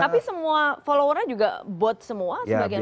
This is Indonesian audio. tapi semua followernya juga bot semua sebagian besar